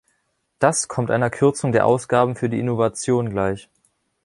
Das kommt einer Kürzung der Ausgaben für die Innovation gleich.